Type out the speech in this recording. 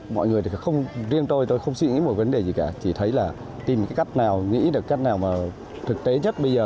mọi người thì không riêng tôi tôi không suy nghĩ một vấn đề gì cả chỉ thấy là tìm cách nào nghĩ được cách nào mà thực tế nhất bây giờ